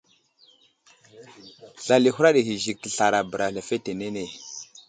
Slal i huraɗ ghay i Zik teslara bəra lefetenene.